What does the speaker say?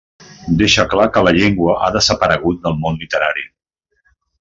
Deixa clar que la llengua ha desaparegut del món literari.